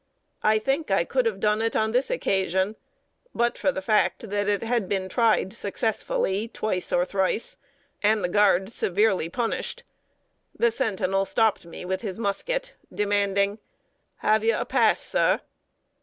I think I could have done it on this occasion, but for the fact that it had been tried successfully twice or thrice, and the guards severely punished. The sentinel stopped me with his musket, demanding: "Have you a pass, sir?"